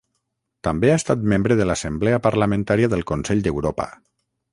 També ha estat membre de l'Assemblea Parlamentària del Consell d'Europa.